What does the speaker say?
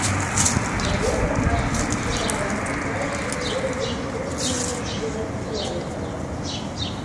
Рвезын вашмутшо тарванен кайыше поездын шургымо йӱкшӧ дене пырля йоҥгалте.